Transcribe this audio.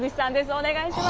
お願いします。